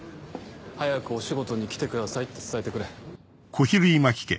早くお仕事に来てくださいって伝えてくれ。